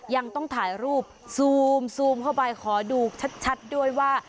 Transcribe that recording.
ยังต้องถ่ายรูปซูมเข้าไปขอดูชัดด้วยว่า